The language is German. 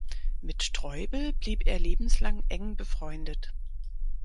Mit Streubel blieb er lebenslang eng befreundet.